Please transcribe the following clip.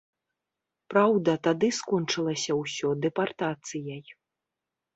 Праўда, тады скончылася ўсё дэпартацыяй.